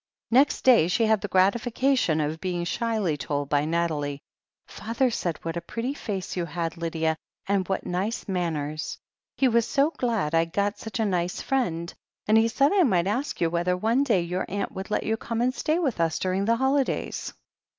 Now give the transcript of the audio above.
Next day she had the gratification of being shyly told by Nathalie : "Father said what a pretty face you had, Lydia, and what nice manners. He was so glad Td got such a nice friend, and he said I might ask you whether one day your aunt would let you come and stay with us during the holidays."